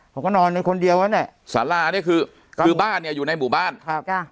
ผมก็นอนในคนเดียวแล้วเนี่ยสารานี่คือคือบ้านเนี่ยอยู่ในหมู่บ้านครับ